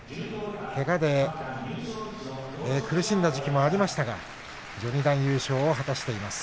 けがで苦しんだ時期もありましたが序二段優勝を果たしています。